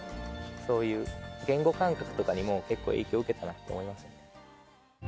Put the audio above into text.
そういう言語感覚とかにも影響を受けたなと思いますね。